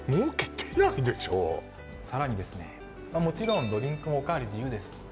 もちろんドリンクもおかわり自由です